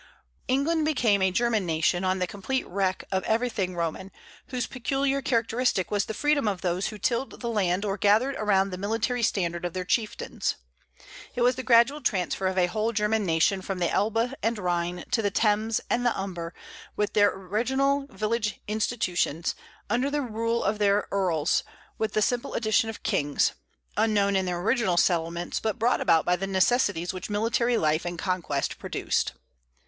England became a German nation on the complete wreck of everything Roman, whose peculiar characteristic was the freedom of those who tilled the land or gathered around the military standard of their chieftains. It was the gradual transfer of a whole German nation from the Elbe and Rhine to the Thames and the Humber, with their original village institutions, under the rule of their eorls, with the simple addition of kings, unknown in their original settlements, but brought about by the necessities which military life and conquest produced.